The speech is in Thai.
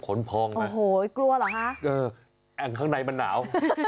ขนพองนะโอ้โฮกลัวเหรอฮะเออแอ่งข้างในมันหนาว